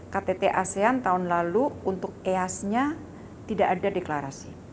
ktt asean tahun lalu untuk eastnya tidak ada deklarasi